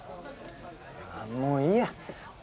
もういいや。